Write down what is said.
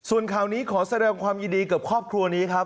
ส่วนข่าวนี้ขอแสดงความยินดีกับครอบครัวนี้ครับ